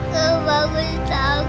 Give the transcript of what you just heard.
gak bagus takut